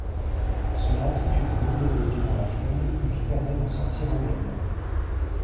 Son attitude modérée durant la Fronde lui permet d'en sortir indemne.